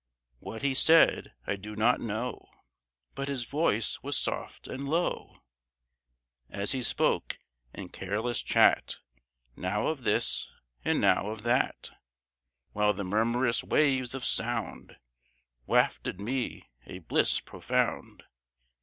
What he said I do not know, But his voice was soft and low, As he spoke in careless chat, Now of this and now of that, While the murmurous waves of sound Wafted me a bliss profound.